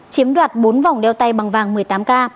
chiếm đoạt bốn vòng đeo tay bằng vàng một mươi tám k